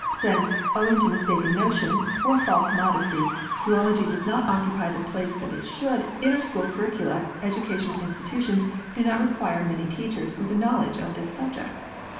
Since, owing to mistaken notions, or false modesty, zoology does not occupy the place that it should, in our school curricula, edu cational institutions do not require many teachers with a knowledge of this subject.